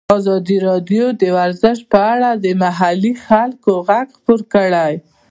ازادي راډیو د ورزش په اړه د محلي خلکو غږ خپور کړی.